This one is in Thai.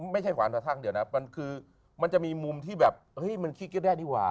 ขวานมาทั่งเดี๋ยวนะมันคือมันจะมีมุมที่แบบเฮ้ยมันคิดก็ได้ดีกว่า